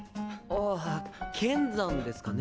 あ剣山ですかね。